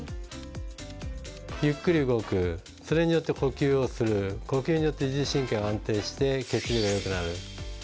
ゆっくり動くそれによって呼吸をする呼吸によって自律神経が安定して血流がよくなる。